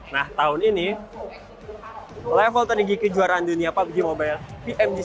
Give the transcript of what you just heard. nah tahun ini level tertinggi kejuaraan dunia pubg mobile pmgc dua ribu dua puluh dua